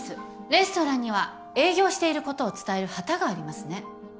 レストランには営業していることを伝える旗がありますね。